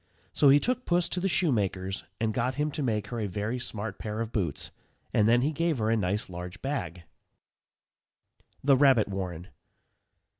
So he took Puss to the shoemaker's, and got him to make her a very smart pair of boots, and then he gave her a nice large bag. _THE RABBIT WARREN.